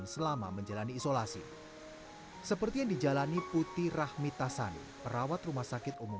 selama menjalani isolasi seperti yang dijalani putih rahmi tasani perawat rumah sakit umum